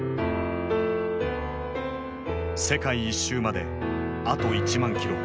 世界一周まであと１万キロ。